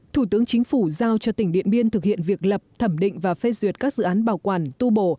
thủ tướng chính phủ giao cho tỉnh điện biên thực hiện việc lập thẩm định và phê duyệt các dự án bảo quản tu bổ